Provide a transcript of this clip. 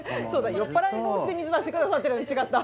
酔っぱらい防止で水出してくださってる違った。